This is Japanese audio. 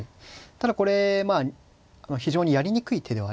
ただこれまあ非常にやりにくい手ではありますね。